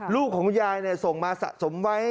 ลูกของยายส่งมาสะสมไว้